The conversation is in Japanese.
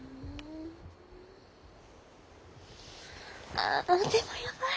あでもやばい。